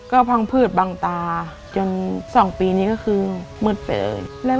ก็พังพืชบังตาจน๒ปีนี้ก็คือมืดไปเลย